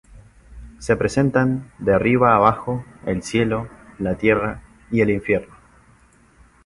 Se representan, de arriba abajo, el cielo, la tierra y el infierno.